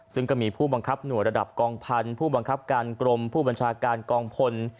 ซึ่งก็มีผู้บังคับหน่วยระดับกองพันธุ์ผู้บังคับการกรมผู้บัญชาการกองพล